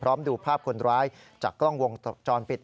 พร้อมดูภาพคนร้ายจากกล้องวงจอดปิด